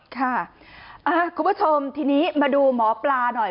คุณผู้ชมทีนี้มาดูหมอปลาหน่อย